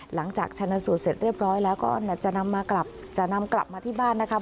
หลังจากชนะสูตรเสร็จเรียบร้อยแล้วก็จะนำมากลับจะนำกลับมาที่บ้านนะคะ